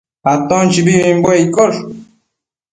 Aton chibibimbuec iccosh